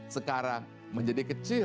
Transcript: sekarang menjadi kecil